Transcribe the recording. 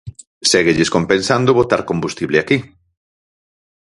Séguelles compensando botar combustible aquí.